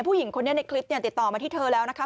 ผู้หญิงคนนี้ในคลิปเนี่ยติดต่อมาที่เธอแล้วนะคะ